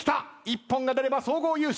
一本が出れば総合優勝。